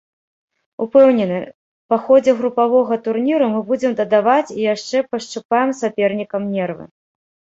Упэўнены, па ходзе групавога турніру мы будзем дадаваць і яшчэ пашчыпаем сапернікам нервы.